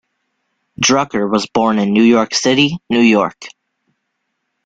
Drucker was born in New York City, New York.